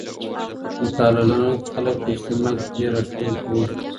مطالعه لرونکي خلګ په اجتماع کي ډېر راښکونکي وي.